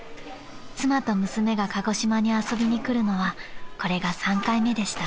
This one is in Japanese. ［妻と娘が鹿児島に遊びに来るのはこれが３回目でした］